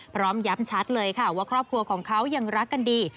พร้อมย้ำชัดเลยค่ะว่าครอบครัวของเขายังรักกันดี